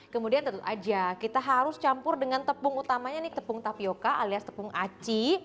kemudian tentu aja kita harus campur dengan tepung utamanya ini tepung tapioca alias tepung aci